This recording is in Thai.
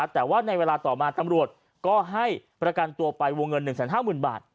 แต่ว่าในเวลาต่อมาตำรวจก็ให้ประกันตัวไปวงเงิน๑๕๐๐๐บาท